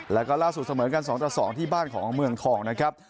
แล้วก็ล่าสุดเสมอกัน๒ต่อ๒ที่บ้านของเมืองทองนะครับ